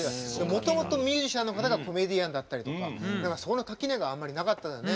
もともとミュージシャンの方がコメディアンだったりとか何かそこの垣根があんまりなかったのよね。